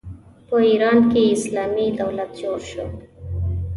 په ایران کې اسلامي دولت جوړ شو.